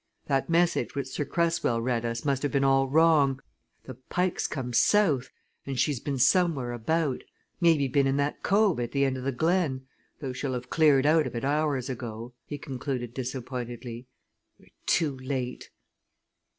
"That message which Sir Cresswell read us must have been all wrong the Pike's come south and she's been somewhere about maybe been in that cove at the end of the glen though she'll have cleared out of it hours ago!" he concluded disappointedly. "We're too late!"